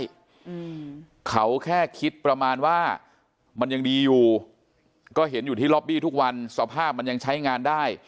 อืมเขาแค่คิดประมาณว่ามันยังดีอยู่ก็เห็นอยู่ที่ล็อบบี้ทุกวันสภาพมันยังใช้งานได้